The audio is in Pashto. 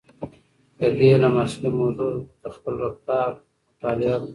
د دې علم اصلي موضوع زموږ د خپل رفتار مطالعه ده.